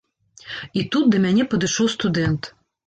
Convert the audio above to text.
І тут да мяне падышоў студэнт.